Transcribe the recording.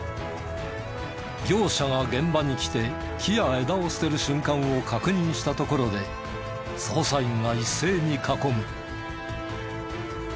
業者が現場に来て木や枝を捨てる瞬間を確認したところで捜査員が一斉に囲む。